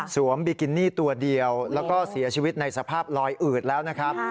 บิกินี่ตัวเดียวแล้วก็เสียชีวิตในสภาพลอยอืดแล้วนะครับ